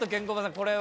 これは。